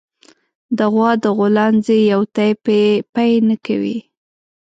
د غوا د غولانځې يو تی پئ نه کوي